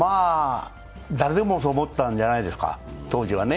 誰でもそう思ったんじゃないですか、当時はね。